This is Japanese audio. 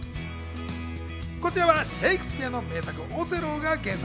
こちらはシェイクスピアの名作『オセロ』が原作。